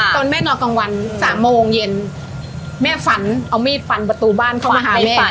ตอนแม่นอนกลางวันสามโมงเย็นแม่ฝันเอามีดฟันประตูบ้านเข้ามาหาแม่ฝัน